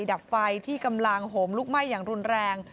ดับไฟที่กำลังโหมลุกไหม้อย่างรุนแรง